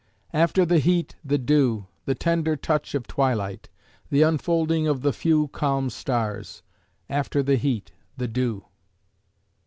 After the heat, the dew, The tender touch of twilight; The unfolding of the few Calm Stars; After the heat, the dew.